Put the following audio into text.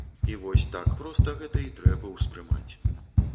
І вось так проста гэта і трэба ўспрымаць.